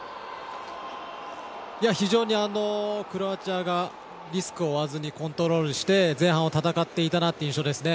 非常にクロアチアがリスクを負わずにコントロールして前半を戦っていたなという印象ですね。